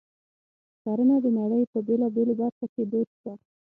کرنه د نړۍ په بېلابېلو برخو کې دود شوه.